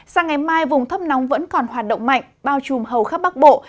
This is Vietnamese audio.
sang ngày mai vùng thấp nóng vẫn còn hoạt động mạnh bao trùm hầu khắp bắc bộ